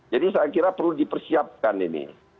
jadi saya kira perlu dipersiapkan ini